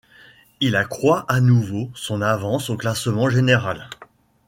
Il accroit à nouveau son avance au classement général.